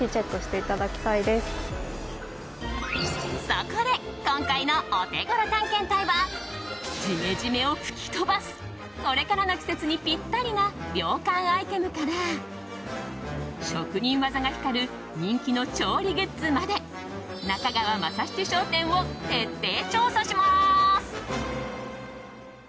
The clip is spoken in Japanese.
そこで今回のオテゴロ探検隊はジメジメを吹き飛ばすこれからの季節にピッタリな涼感アイテムから職人技が光る人気の調理グッズまで中川政七商店を徹底調査します。